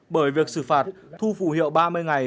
bởi việc xử phạt thu phụ hiệu ba mươi ngày